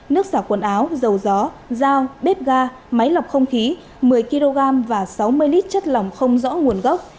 nước xả quần áo dầu gió dao bếp ga máy lọc không khí một mươi kg và sáu mươi lít chất lỏng không rõ nguồn gốc